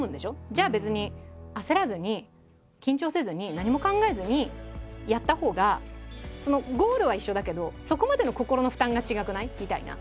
じゃあ別に焦らずに緊張せずに何も考えずにやったほうがゴールは一緒だけどそこまでの心の負担が違くない？みたいな。